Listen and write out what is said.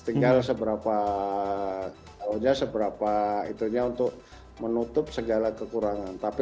tinggal seberapa itu nya untuk menutup segala kekurangan